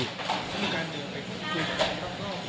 มีการเดินไปคุยกับคนออกข้อ